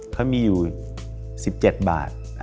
เขามีอยู่๑๗บาท